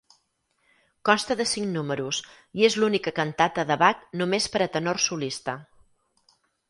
Consta de cinc números i és l'única cantata de Bach només per a tenor solista.